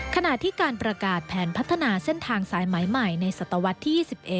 ขณะที่การประกาศแผนพัฒนาเส้นทางสายไหมใหม่ในศตวรรษที่๒๑